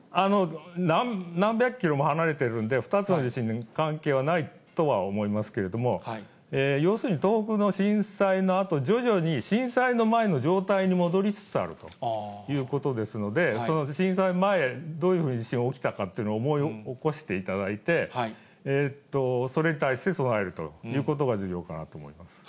何百キロも離れているので、２つの地震に関係はないとは思いますけれども、要するに、東北の震災のあと、徐々に震災の前の状態に戻りつつあるということですので、その震災前、どういう地震が起きたかというのを思い起こしていただいて、それに対して備えるということが重要かなと思います。